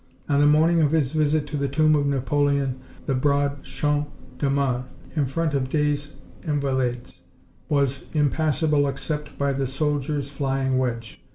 On the morning of his visit to the tomb of Napoleon the broad Champs de Mars, in front of des Invalides, was impassable except by the soldiers' flying wedge.